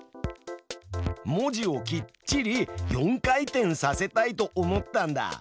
文字をきっちり４回転させたいと思ったんだ。